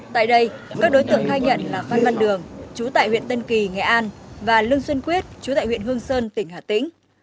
tại đây các đối tượng khai nhận là phan văn đường chú tại huyện tân kỳ nghệ an và lương xuân quyết chú tại huyện hương sơn tỉnh hà tĩnh